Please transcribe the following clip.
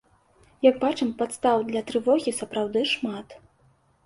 Як бачым, падстаў для трывогі сапраўды шмат.